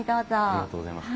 ありがとうございます。